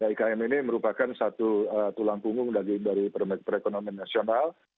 ikm ini merupakan satu tulang punggung dari perekonomian nasional